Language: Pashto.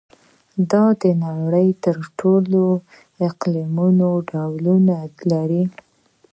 دا د نړۍ د ټولو اقلیمونو ډولونه لري.